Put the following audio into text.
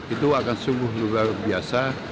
itu akan sungguh luar biasa